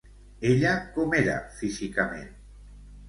Ella com era físicament?